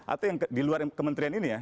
atau yang di luar kementerian ini ya